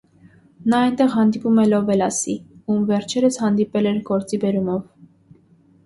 Նա այնտեղ հանդիպում է լովելասի, ում վերջերս հանդիպել էր գործի բերումով։